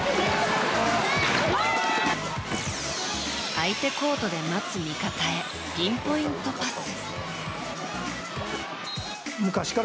相手コートで待つ味方へピンポイントパス。